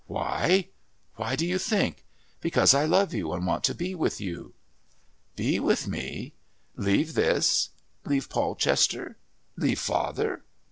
"Why?...Why do you think?...Because I love you and want to be with you." "Be with me? Leave this? Leave Polchester?...Leave father?"